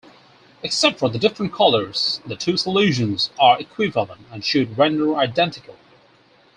Except for the different colors, the two solutions are equivalent and should render identically.